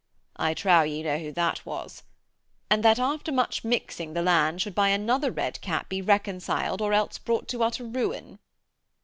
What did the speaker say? (I trow ye know who that was.) And that after much mixing the land should by another Red Cap be reconciled or else brought to utter ruin"?'